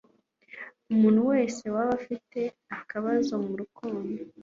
umuntu wese waba afite akabazo mu rukundo